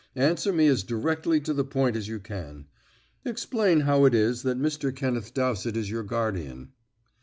Answer me as directly to the point as you can. Explain how it is that Mr. Kenneth Dowsett is your guardian."